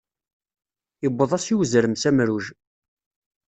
Iwweḍ-as i uzrem s amruj.